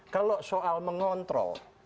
kalau soal mengontrol